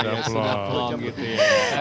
sudah plong gitu ya